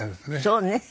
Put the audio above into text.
そうね。